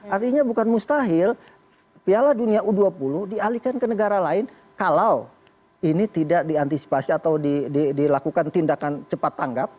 artinya bukan mustahil piala dunia u dua puluh dialihkan ke negara lain kalau ini tidak diantisipasi atau dilakukan tindakan cepat tanggap